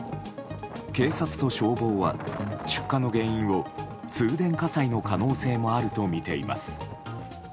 警察と消防は出火の原因を通電火災の可能性もあるとみています。